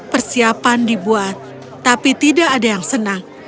persiapan dibuat tapi tidak ada yang senang